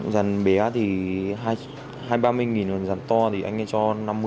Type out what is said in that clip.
giàn bé thì hai mươi ba mươi nghìn giàn to thì anh ấy cho năm mươi